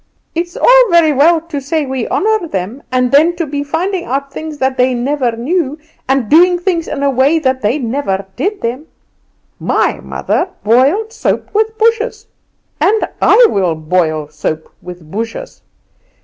It's all very well to say we honour them, and then to be finding out things that they never knew, and doing things in a way that they never did them! My mother boiled soap with bushes, and I will boil soap with bushes.